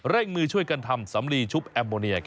มือช่วยกันทำสำลีชุบแอมโมเนีย